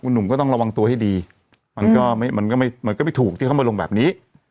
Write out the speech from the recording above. หนุ่มก็ต้องระวังตัวให้ดีมันก็มันก็ไม่ถูกที่เขามาลงแบบนี้